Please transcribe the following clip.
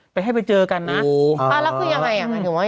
ไปให้ไปเจอกันนะอ๋ออ๋อแล้วคือยังไงอย่างงั้นอย่างงั้นอย่างงั้น